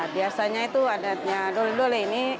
biasanya itu adatnya dole dole ini